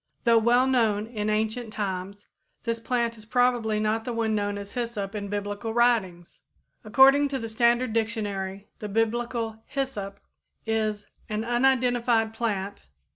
Though well known in ancient times, this plant is probably not the one known as hyssop in Biblical writings. According to the Standard Dictionary the Biblical "hyssop" is "an unidentified plant